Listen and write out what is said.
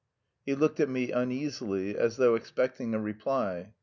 _" He looked at me uneasily, as though expecting a reply.